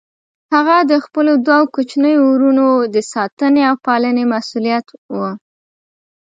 هغه د خپلو دوه کوچنيو وروڼو د ساتنې او پالنې مسئوليت و.